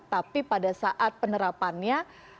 tapi pada saat penerapannya